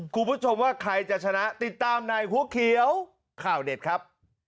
คุณผู้ชมว่าใครจะชนะติดตามในหัวเขียวข่าวเด็ดครับ